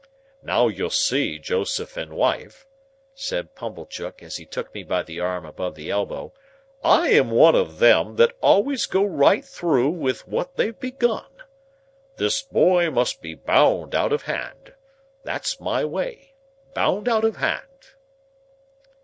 "Now you see, Joseph and wife," said Pumblechook, as he took me by the arm above the elbow, "I am one of them that always go right through with what they've begun. This boy must be bound, out of hand. That's my way. Bound out of hand."